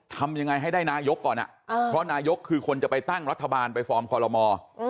ทำยังไงให้ได้นายกก่อนเพราะนายกคือคนจะไปตั้งรัฐบาลไปฟอร์มคอลโลมอร์